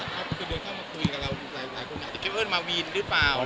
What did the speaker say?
ครับคือเดินเข้ามาคุยกับเราหลายหลายคนอาจจะเคเวิร์ดมาวีนหรือเปล่า